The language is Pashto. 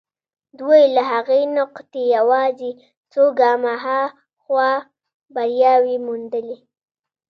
دوی له هغې نقطې يوازې څو ګامه هاخوا برياوې موندلې.